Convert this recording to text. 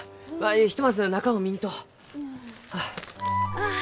ああ。